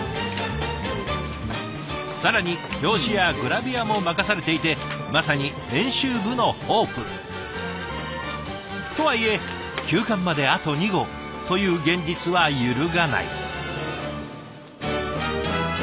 更に表紙やグラビアも任されていてまさに編集部のホープ！とはいえ休刊まであと２号という現実は揺るがない。